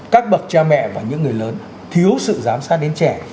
các bậc cha mẹ và những người lớn thiếu sự giám sát đến trẻ